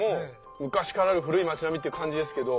昔からある古い町並みっていう感じですけど。